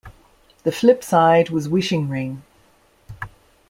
The flip side was Wishing Ring.